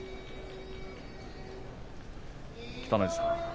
北の富士さん。